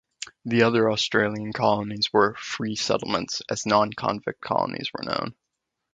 The other Australian colonies were "free settlements", as non-convict colonies were known.